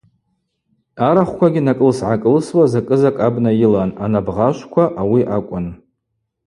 Арахвквагьи накӏылсгӏакӏылсуа закӏы-закӏ абна йылан, анабгъашвква ауи акӏвын.